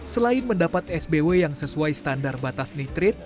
selain mendapat sbw yang sesuai standar batas nitrit